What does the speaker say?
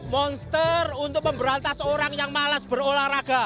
monster untuk memberantas orang yang malas berolahraga